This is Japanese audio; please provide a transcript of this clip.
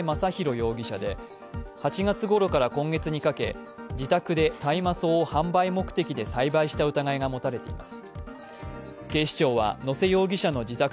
容疑者で８月ごろから今月にかけ自宅で大麻草を販売目的で栽培した疑いが持たれています。